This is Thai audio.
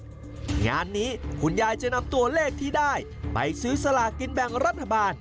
งานนี้คุณยายจะนำตัวเลขที่ได้ไปซื้อสลากินแบ่งรัฐบาล